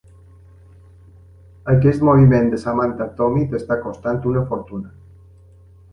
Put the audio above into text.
Aquest moviment de Samantha Tommy t'està costant una fortuna.